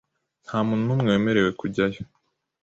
Nta muntu n'umwe wemerewe kujyayo .